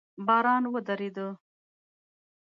باران ودرېده